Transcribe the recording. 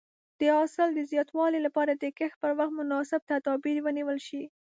د حاصل د زیاتوالي لپاره د کښت پر وخت مناسب تدابیر ونیول شي.